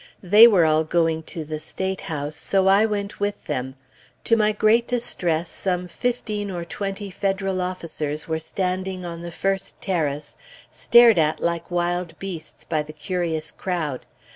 They were all going to the State House, so I went with them; to my great distress, some fifteen or twenty Federal officers were standing on the first terrace, stared at like wild beasts by the curious crowd.